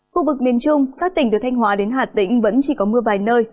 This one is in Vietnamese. khu vực miền trung các tỉnh từ thanh hóa đến hà tĩnh vẫn chỉ có mưa vài nơi